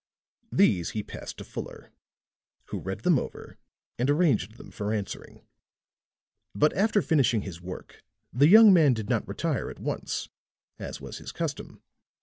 These he passed to Fuller, who read them over and arranged them for answering. But after finishing this work the young man did not retire at once, as was his custom.